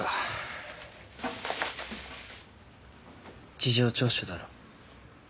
事情聴取だろ？